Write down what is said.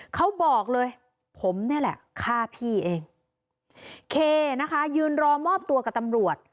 เขาบอกเลยผมนี่แหละฆ่าพี่เองเคนะคะยืนรอมอบตัวกับตำรวจ